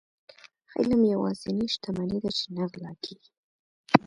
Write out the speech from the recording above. علم يوازنی شتمني ده چي نه غلا کيږي.